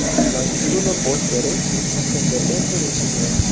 La insulo poste restis sendepende de Ĉinio.